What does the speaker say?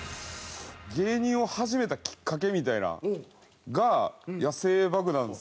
芸人を始めたきっかけみたいなのが野性爆弾さん。